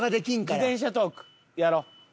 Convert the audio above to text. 自転車トークやろう。